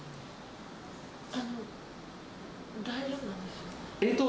あの、大丈夫なんですよね？